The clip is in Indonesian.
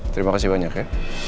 terima kasih banyak ya